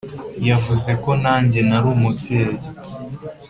yavuze ko nanjye nari umubeshyi,